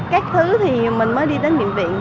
các thứ thì mình mới đi đến viện viện